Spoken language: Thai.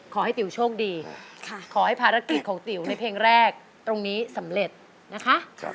ขอให้ติ๋วโชคดีขอให้ภารกิจของติ๋วในเพลงแรกตรงนี้สำเร็จนะคะ